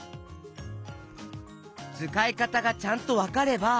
つかいかたがちゃんとわかれば。